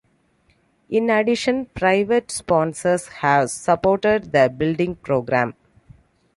In addition private sponsors have supported the building program.